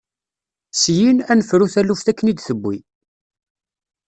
Syin, ad nefru taluft akken i d-tewwi.